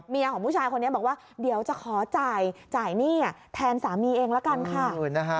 ของผู้ชายคนนี้บอกว่าเดี๋ยวจะขอจ่ายหนี้แทนสามีเองละกันค่ะ